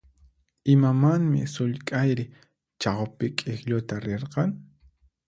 Imamanmi sullk'ayri chawpi k'iklluta rirqan?